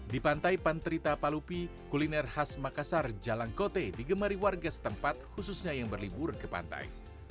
di pantai panterita palupi kuliner khas makassar jalan kote digemari warga setempat khususnya yang berlibur ke pantai